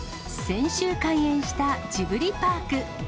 先週開園したジブリパーク。